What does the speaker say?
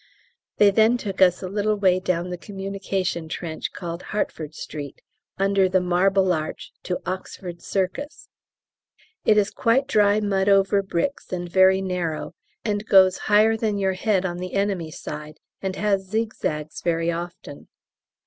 They then took us a little way down the communication trench called "Hertford Street," under the "Marble Arch" to "Oxford Circus!" It is quite dry mud over bricks and very narrow, and goes higher than your head on the enemy side, and has zigzags very often.